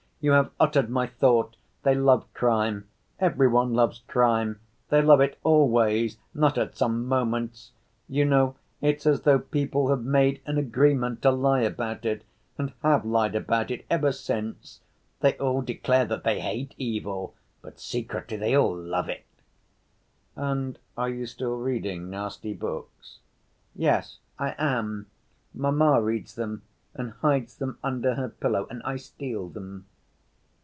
You have uttered my thought; they love crime, every one loves crime, they love it always, not at some 'moments.' You know, it's as though people have made an agreement to lie about it and have lied about it ever since. They all declare that they hate evil, but secretly they all love it." "And are you still reading nasty books?" "Yes, I am. Mamma reads them and hides them under her pillow and I steal them."